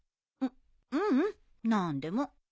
ううん何でも。